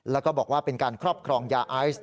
แล้วก็บอกว่าเป็นการครอบครองยาไอซ